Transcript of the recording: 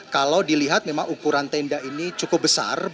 kalau dilihat memang ukuran tenda ini cukup besar